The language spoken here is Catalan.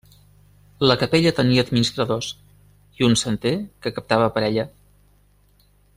La capella tenia administradors i un santer que captava per ella.